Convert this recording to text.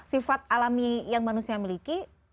sifat alami yang manusia miliki